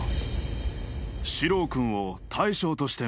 ・四郎君を大将として迎えたい。